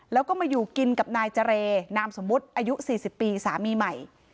แล้วก็มาอยู่กินกับนายเจรนามสมมุติอายุ๔๐ปีสามีใหม่